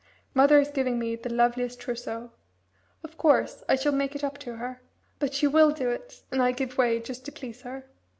Mother is giving me the loveliest trousseau. Of course, I shall make it up to her; but she will do it, and I give way, just to please her.